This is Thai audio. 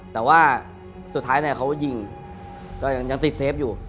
แต่ว่าสุดท้ายเขายิงยังติดเซฟอยู่